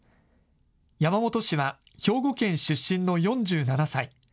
山本氏は兵庫県出身の４７歳。